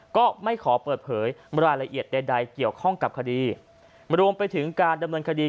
ก็ไม่ขอเปิดเผยรายละเอียดใดใดเกี่ยวข้องกับคดีรวมไปถึงการดำเนินคดี